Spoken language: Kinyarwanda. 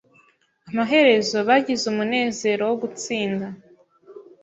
Amaherezo, bagize umunezero wo gutsinda.